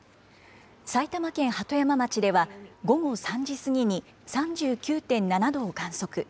埼玉県鳩山町では、午後３時過ぎに３９．７度を観測。